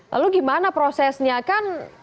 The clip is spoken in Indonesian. lalu gimana prosesnya kan